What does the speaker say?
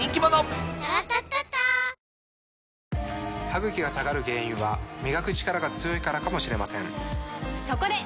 歯ぐきが下がる原因は磨くチカラが強いからかもしれませんそこで！